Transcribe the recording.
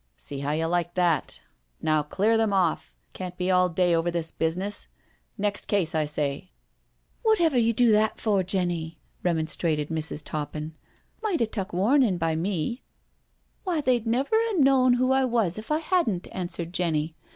" See how you like that. Now, clear them off— can't be all day over this business. Next case, I say.'* " Wotever you do that for, Jenny?" remonstrated Mrs. Toppin. " Might 'a tuk warnin' by me." 102 NO SURRENDER " Why, they'd never a known who I was if I hadn't/* answered Jenny.